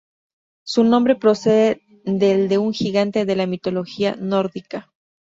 Su nombre procede del de un gigante de la mitología nórdica.